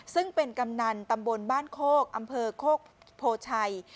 ซึ่งเป็นกำนันตำบลบ้านโคกอำเภอโคกโพชัย